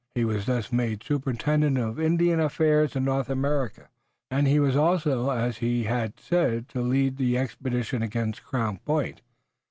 He was thus made superintendent of Indian affairs in North America, and he was also as he had said to lead the expedition against Crown Point.